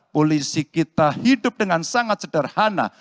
polisi kita hidup dengan sangat sederhana